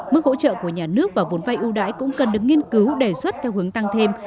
mức hỗ trợ của nhà nước và vốn vay ưu đãi cũng cần được nghiên cứu đề xuất theo hướng tăng thêm